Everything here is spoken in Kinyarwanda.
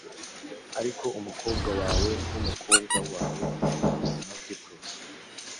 ariko umukobwa wawe wumukobwa wawe ubuzima bwe bwose